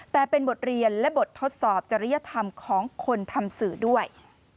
แต่เป็นบทเรียนและบททดสอบจริยธรรมของคนทำสื่อด้วย